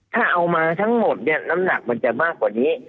ถ้าเอามาทั้งหมดเนี่ยน้ำหนักมันจะมากกว่านี้